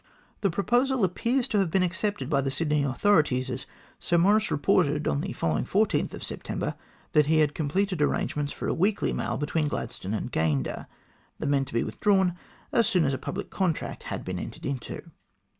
The proposal appears to have been accepted by the Sydney authorities, as Sir Maurice reported on the following September 14, that he had com pleted arrangements for a weekly mail between Gladstone and G ayndah, the men to be withdrawn as soon as a public contract had been entered into.